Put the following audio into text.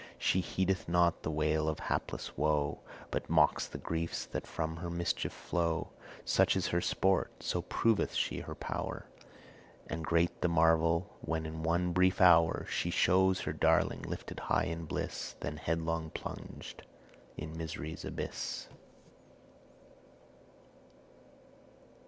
She heedeth not the wail of hapless woe, But mocks the griefs that from her mischief flow. Such is her sport; so proveth she her power; And great the marvel, when in one brief hour She shows her darling lifted high in bliss, Then headlong plunged in misery's abyss.